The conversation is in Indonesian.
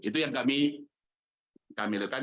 itu yang kami rekan